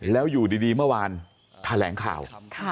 แล้วอยู่ดีเมื่อวานแถลงข่าว